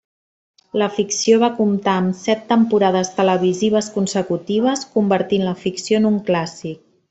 La ficció va comptar amb set temporades televisives consecutives, convertint la ficció en un clàssic.